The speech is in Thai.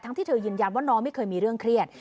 ที่เธอยืนยันว่าน้องไม่เคยมีเรื่องเครียด